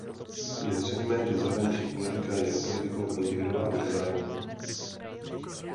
Je zřejmé, že zahraniční politika je politikou individuálních zájmů.